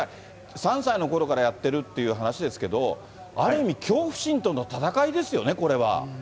３歳のころからやってるっていう話ですけど、ある意味、恐怖心との戦いですよね、これは。